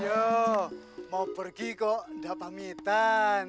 ya mau pergi kok udah pamitan